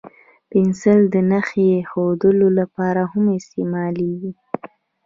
پنسل د نښې اېښودلو لپاره هم استعمالېږي.